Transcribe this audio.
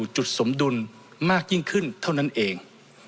สมดุลมากยิ่งขึ้นเท่านั้นเอง